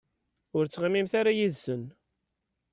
Ur ttɣimimt ara yid-sen.